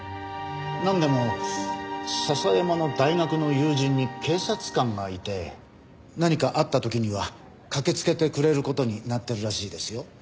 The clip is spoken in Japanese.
なんでも笹山の大学の友人に警察官がいて何かあった時には駆けつけてくれる事になってるらしいですよ。